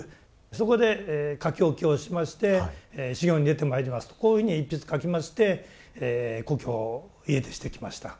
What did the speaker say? そこで書き置きをしまして「修行に出て参ります」とこういうふうに一筆書きまして故郷を家出してきました。